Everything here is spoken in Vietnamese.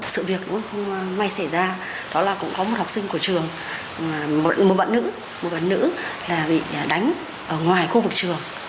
sự việc cũng không may xảy ra đó là cũng có một học sinh của trường một bạn nữ một bạn nữ là bị đánh ở ngoài khu vực trường